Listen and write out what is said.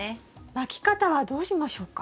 まき方はどうしましょうか？